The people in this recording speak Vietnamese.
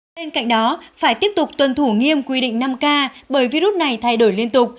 bên cạnh đó phải tiếp tục tuân thủ nghiêm quy định năm k bởi virus này thay đổi liên tục